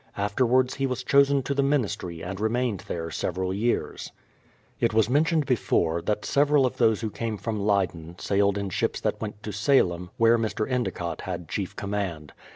Afterwards he was chosen to the ministry and remained there several years. THE PLYMOUTH SETTLEMENT 213 It was mentioned before, that several of those who came from Leyden, sailed in ships that went to Salem, where Mr. Endicott had chief command.